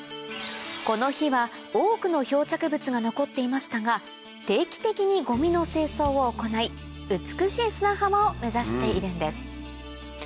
この日は多くの漂着物が残っていましたが定期的にゴミの清掃を行い美しい砂浜を目指しているんです